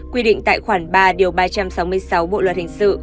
quy định tại khoảng ba ba trăm sáu mươi sáu bộ luật hình sự